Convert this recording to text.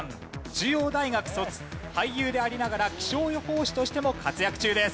中央大学卒俳優でありながら気象予報士としても活躍中です。